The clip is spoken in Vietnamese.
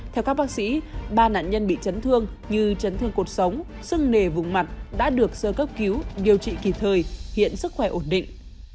theo các bác sĩ ba nạn nhân bị chấn thương như chấn thương cuộc sống sưng nề vùng mặt đã được sơ cấp cứu điều trị kịp thời hiện sức khỏe ổn định